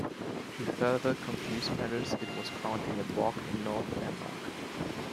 To further confuse matters, it was found in a bog in north Denmark.